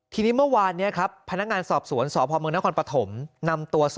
ทีนี้เมื่อวานนี้ครับพนักงานสอบสวนสพมนครปฐมนำตัว๒